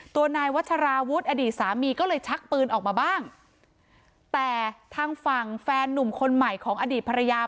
ตัวนายวัชราวุฒิอดีตสามีก็เลยชักปืนออกมาบ้างแต่ทางฝั่งแฟนหนุ่มคนใหม่ของอดีตภรรยา